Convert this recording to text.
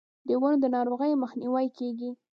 د ونو د ناروغیو مخنیوی کیږي.